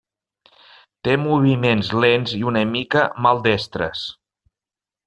Té moviments lents i una mica maldestres.